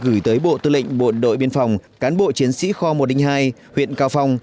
gửi tới bộ tư lệnh bộ đội biên phòng cán bộ chiến sĩ kho một hai huyện cao phong